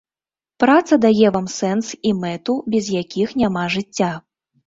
Праца дае вам сэнс і мэту, без якіх няма жыцця.